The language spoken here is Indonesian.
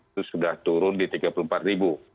itu sudah turun di tiga puluh empat ribu